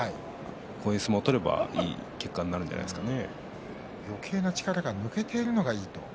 そういう相撲を取ればいいんじゃないですかね。